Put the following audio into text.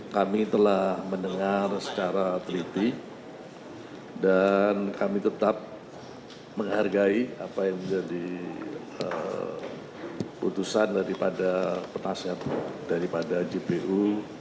kami telah mendengar secara teliti dan kami tetap menghargai apa yang menjadi putusan daripada penasihat daripada jpu